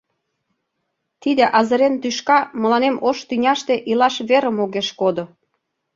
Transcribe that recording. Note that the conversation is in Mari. Тиде азырен тӱшка мыланем ош тӱняште илаш верым огеш кодо!